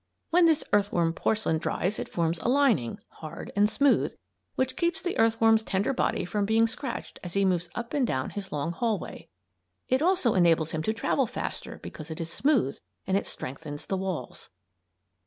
When this earthworm "porcelain" dries it forms a lining, hard and smooth, which keeps the earthworm's tender body from being scratched as he moves up and down his long hallway. It also enables him to travel faster because it is smooth, and it strengthens the walls.